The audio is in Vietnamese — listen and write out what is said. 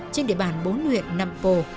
trên địa bàn bốn huyện năm pồ